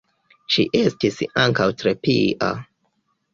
Ŝi estis ankaŭ tre pia.